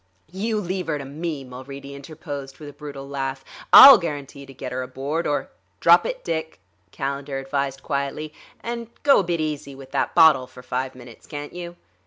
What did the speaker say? "You leave her to me," Mulready interposed, with a brutal laugh. "I'll guarantee to get her aboard, or..." "Drop it, Dick!" Calendar advised quietly. "And go a bit easy with that bottle for five minutes, can't you?"